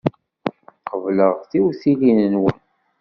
Qebleɣ tiwtilin-nwen.